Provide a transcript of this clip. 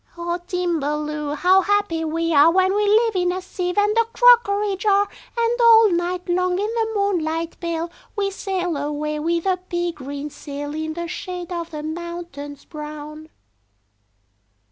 "O Timballoo! How happy we are When we live in a sieve and a crockery jar! And all night long, in the moonlight pale, We sail away with a pea green sail In the shade of the mountains brown."